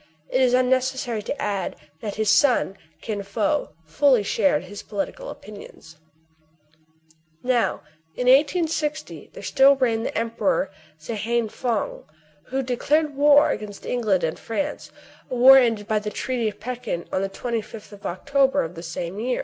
It is unnecessary to add that his son, Kin Fo, fully shared his political opinions. Now, in i860, there still reigned that emperor, S*Hiene Fong, who declared war against England and France, — a war ended by the treaty of Pekin on the 2Sth of October of the same year.